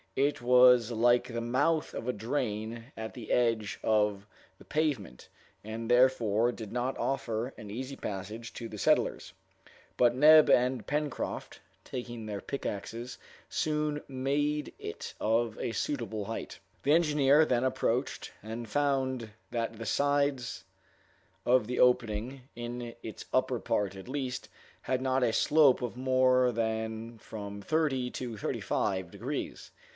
It was like the mouth of a drain at the edge of the pavement, and therefore did not offer an easy passage to the settlers; but Neb and Pencroft, taking their pickaxes, soon made it of a suitable height. The engineer then approached, and found that the sides of the opening, in its upper part at least, had not a slope of more than from thirty to thirty five degrees.